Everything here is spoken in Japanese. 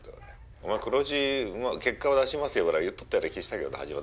お前黒字結果は出しますよぐらい言っとったような気したけどな初めな？